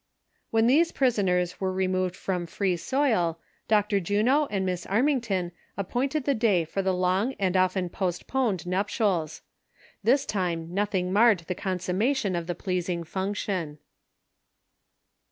When these prisoners were removed from free soil. Dr. Juno and Miss Armington appointed the day for the long and often postponed nuptials. This time nothing marred the consummation of the pleasing function.